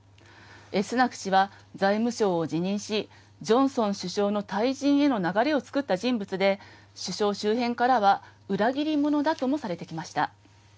スナク氏は財務相を辞任し、ジョンソン首相の退陣への流れを作った人物で、首相周辺からは、裏切り者だともされてきました。